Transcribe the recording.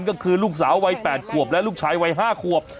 ก็คือลูกสาววัย๘ขวบและลูกชายวัย๕ขวบ